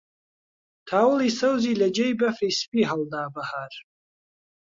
تاوڵی سەوزی لە جێی بەفری سپی هەڵدا بەهار